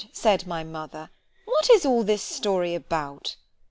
said my mother, what is all this story about?